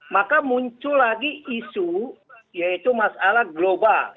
maka muncul lagi isu yaitu masalah global